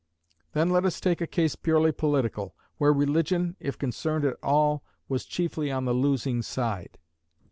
Then let us take a case purely political, where religion, if concerned at all, was chiefly on the losing side.